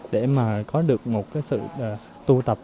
để mà có được một cái sự tu tập